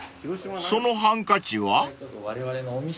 ［そのハンカチは？］